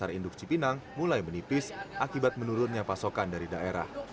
pasar induk cipinang mulai menipis akibat menurunnya pasokan dari daerah